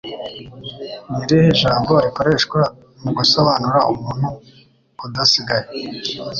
Ni irihe jambo rikoreshwa mu gusobanura umuntu udasigaye